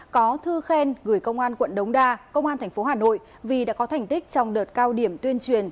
có thư khen gửi công an quận đống đa công an tp hà nội vì đã có thành tích trong đợt cao điểm tuyên truyền